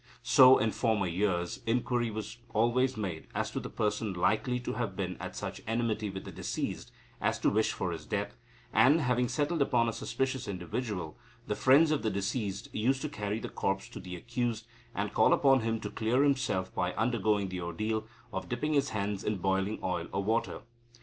So, in former years, inquiry was always made as to the person likely to have been at such enmity with the deceased as to wish for his death; and, having settled upon a suspicious individual, the friends of the deceased used to carry the corpse to the accused, and call upon him to clear himself by undergoing the ordeal of dipping his hands in boiling oil or water.